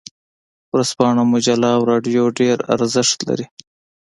ورځپاڼه، مجله او رادیو ډیر ارزښت لري.